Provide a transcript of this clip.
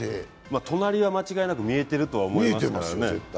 隣は間違いなく見えてると思いますからね。